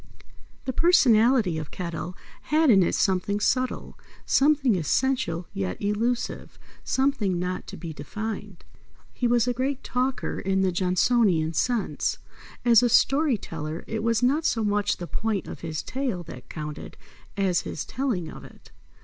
The personality of Kettle had in it something subtle; something essential yet elusive; something not to be defined. He was a great talker in the Johnsonian sense. As a story teller, it was not so much the point of his tale that counted as his telling of it.